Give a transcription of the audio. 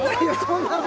そんなの！